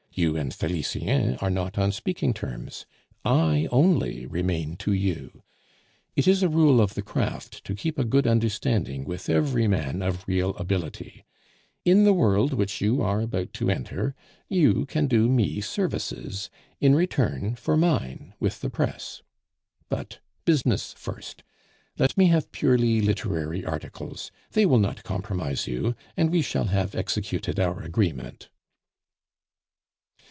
You and Felicien are not on speaking terms. I only remain to you. It is a rule of the craft to keep a good understanding with every man of real ability. In the world which you are about to enter you can do me services in return for mine with the press. But business first. Let me have purely literary articles; they will not compromise you, and we shall have executed our agreement."